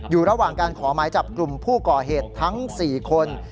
อยู่ระหว่างการขอหมายจับกลุ่มผู้ก่อเหตุทั้ง๔คน